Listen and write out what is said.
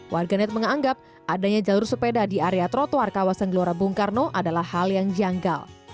warganet menganggap adanya jalur sepeda di area trotoar kawasan gelora bung karno adalah hal yang janggal